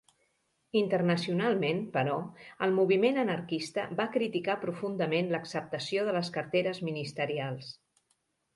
Internacionalment, però, el moviment anarquista va criticar profundament l'acceptació de les carteres ministerials.